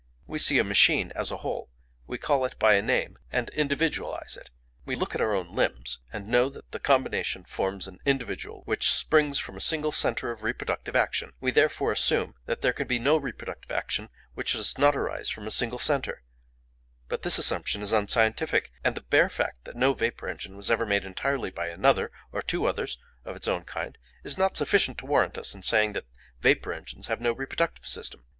We see a machine as a whole, we call it by a name and individualise it; we look at our own limbs, and know that the combination forms an individual which springs from a single centre of reproductive action; we therefore assume that there can be no reproductive action which does not arise from a single centre; but this assumption is unscientific, and the bare fact that no vapour engine was ever made entirely by another, or two others, of its own kind, is not sufficient to warrant us in saying that vapour engines have no reproductive system.